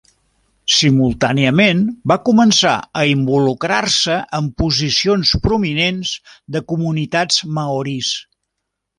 Simultàniament va començar a involucrar-se en posicions prominents de comunitats maoris.